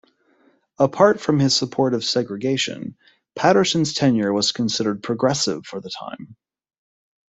Aside from his support of segregation, Patterson's tenure was considered progressive for the time.